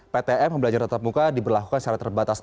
ptm pembelajaran tetap muka diberlakukan secara terbatas